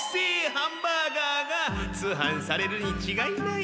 ハンバーガーが通販されるにちがいない。